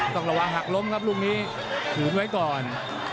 ต้องระวังหักล้มครับลูกนี้ขืนไว้ก่อน